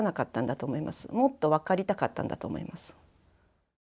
もっと分かりたかったんだと思います。